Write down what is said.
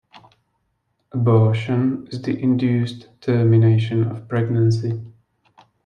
Abortion is the induced termination of pregnancy.